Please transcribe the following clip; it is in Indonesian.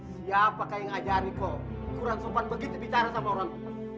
siapakah yang ngajari kok kurang sopan begitu bicara sama orang